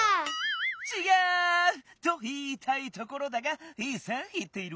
ちがう！といいたいところだがいいせんいっている。